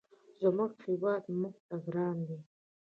زموږ هېواد موږ ته ګران دی.